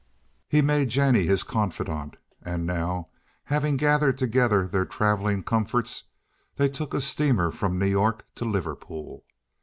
He made Jennie his confidante, and now, having gathered together their traveling comforts they took a steamer from New York to Liverpool.